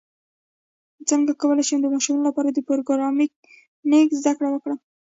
څنګه کولی شم د ماشومانو لپاره د پروګرامینګ زدکړه ورکړم